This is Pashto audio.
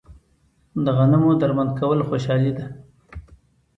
د غنمو درمند کول خوشحالي ده.